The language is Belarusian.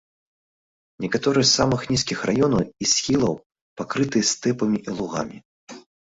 Некаторыя з самых нізкіх раёнаў і схілаў пакрытыя стэпамі і лугамі.